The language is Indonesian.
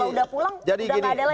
kalau udah pulang udah gak ada lagi